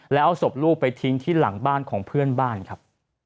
แล้วเอาศพลูกไปทิ้งที่หลังบ้านของเพื่อนบ้านครับ